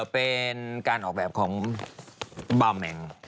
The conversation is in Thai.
เป็นการออกแบบของเบาแมง